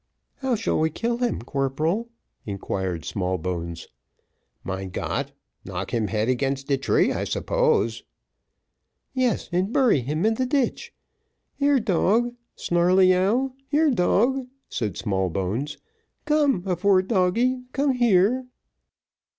"How shall we kill him, corporal?" inquired Smallbones. "Mein Gott! knock him head against de tree, I suppose." "Yes, and bury him in the ditch. Here, dog Snarleyyow here, dog," said Smallbones; "come, a poor doggy come here."